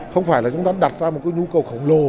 không phải là chúng ta đặt ra một cái nhu cầu khổng lồ